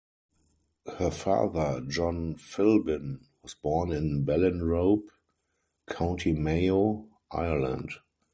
Her father, John Philbin, was born in Ballinrobe, County Mayo, Ireland.